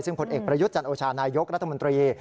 ซึ่งผลเอกประยุทธ์จันโอชานายกรัฐมนตรี